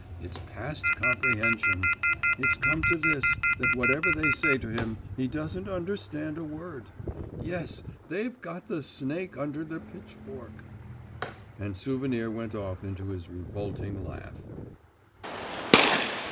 It's past comprehension! It's come to this, that whatever they say to him, he doesn't understand a word! Yes! They've got the snake under the pitch fork!' And Souvenir went off into his revolting laugh.